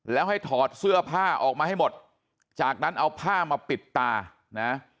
แล้วให้ถอดเสื้อผ้าออกมาให้หมดจากนั้นเอาผ้ามาปิดตานะ